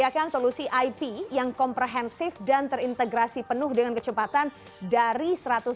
apa yang terjadi